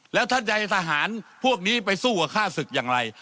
แล้วท่านจะให้ทหารพวกนี้ไปสู้กับฆ่าศึกอย่างไร